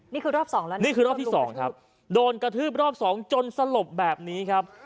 นี่คือรอบสองแล้วนะนี่คือรอบที่สองครับโดนกระทืบรอบสองจนสลบแบบนี้ครับ